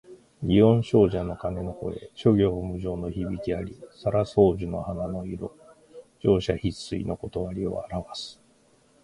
祇園精舎の鐘の声、諸行無常の響きあり。沙羅双樹の花の色、盛者必衰の理をあらわす。